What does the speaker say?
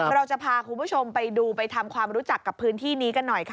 เราจะพาคุณผู้ชมไปดูไปทำความรู้จักกับพื้นที่นี้กันหน่อยค่ะ